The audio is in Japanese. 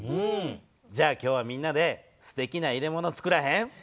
じゃあ今日はみんなですてきな入れ物つくらへん？